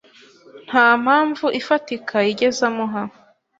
nta mpamvu ifatika yigeze amuha